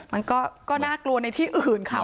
มันก็น่ากลัวในที่อื่นค่ะ